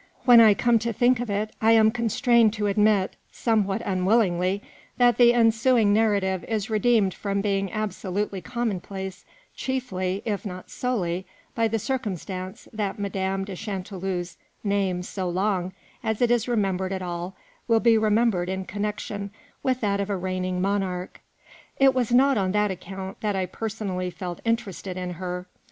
When I come to think of it, I am constrained to admit, somewhat unwillingly, that the ensuing narrative is redeemed from being absolutely commonplace chiefly, if not solely, by the circumstance that Madame de Chanteloup's name so long as it is remembered at all will be remembered in connection with that of a reigning monarch. It was not on that account that I personally felt interested in her.